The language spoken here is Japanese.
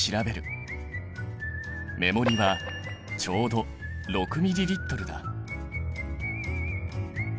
目盛りはちょうど６ｍＬだ。